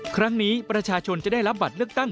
ครั้งนี้ประชาชนจะได้รับบัตรเลือกตั้ง